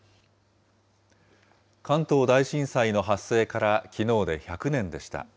関東大震災の発生からきのうで１００年でした。